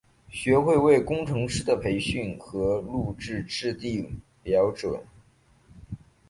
学会为工程师的培训和录取制定标准。